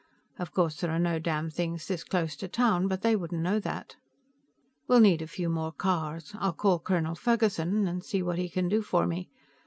Of course, there are no damnthings this close to town, but they wouldn't know that." "We'll need a few more cars. I'll call Colonel Ferguson and see what he can do for me.